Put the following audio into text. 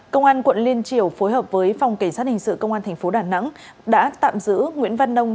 công an quận liên triều phối hợp với phòng cảnh sát hình sự công an thành phố đà nẵng đã tạm giữ nguyễn văn nông